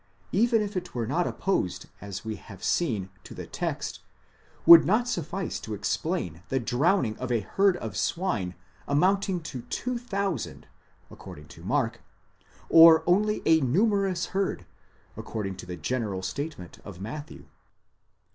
°—even if it were not opposed as we have seen to the text,—would not suffice to explain the drowning of a herd of swine amounting to 2,000, according to Mark ; or only a numerous herd, according to the general statement of Matthew.